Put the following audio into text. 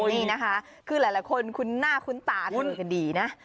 นี่นะคะคือหลายคนคุ้นหน้าคุ้นตาทำกันดีนะ